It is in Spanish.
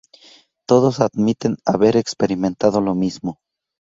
Todos admiten haber experimentado lo mismo.